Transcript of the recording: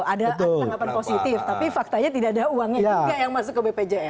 ada tanggapan positif tapi faktanya tidak ada uangnya juga yang masuk ke bpjs